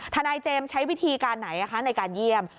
ทนายเจมส์ใช้วิธีการไหนในการเยี่ยม